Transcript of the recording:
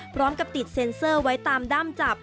พร้อมกับติดเซ็นเซอร์ไว้ตามด้ามจับ